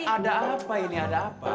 ada apa ini ada apa